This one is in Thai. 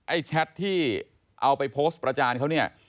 แชทที่เอาไปโพสต์ประจานเขาเนี่ย